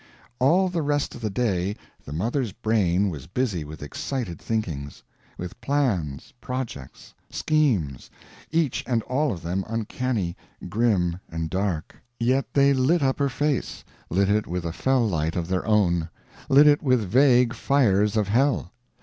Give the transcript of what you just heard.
All the rest of the day the mother's brain was busy with excited thinkings; with plans, projects, schemes, each and all of them uncanny, grim, and dark. Yet they lit up her face; lit it with a fell light of their own; lit it with vague fires of hell.